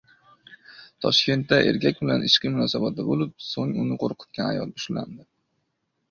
Toshkentda erkak bilan ishqiy munosabatda bo‘lib, so‘ng uni qo‘rqitgan ayol ushlandi